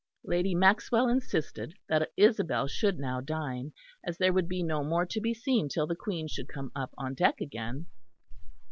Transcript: Lady Maxwell insisted that Isabel should now dine, as there would be no more to be seen till the Queen should come up on deck again.